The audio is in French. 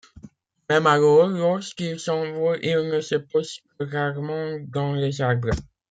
Même alors, lorsqu’il s’envole, il ne se pose que rarement dans les arbres.